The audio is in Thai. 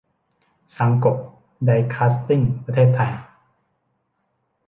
ซังโกะ ไดคาซติ้ง ประเทศไทย